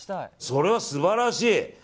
それは素晴らしい。